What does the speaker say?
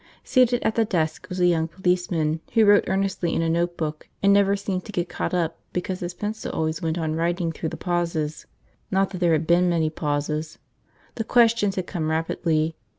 Seated at the desk was a young policeman who wrote earnestly in a notebook and never seemed to get caught up because his pencil always went on writing through the pauses. Not that there had been many pauses. The questions had come rapidly.